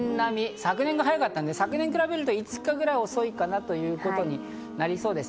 昨年が早かったので、昨年に比べると、５日ぐらい遅いかなということになりそうです。